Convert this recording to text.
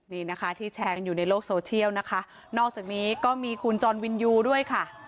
นี่นะคะที่แชร์กันอยู่ในโลกโซเชียลนะคะนอกจากนี้ก็มีคุณจรวินยูด้วยค่ะ